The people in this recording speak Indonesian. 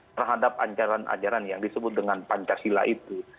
terhadap ajaran ajaran yang disebut dengan pancasila itu